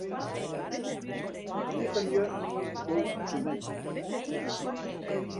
Iepenje Myn dokuminten.